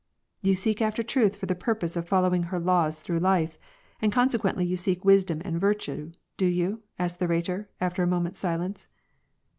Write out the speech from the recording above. " You seek after truth for the purpose of following her laws through life ; consequently, you seek wisdom and virtue, do you ?" asked the Rhetor, after a moment's silence.